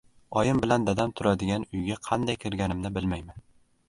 oyim bilan dadam turadigan uyga qanday kirganimni bilmayman.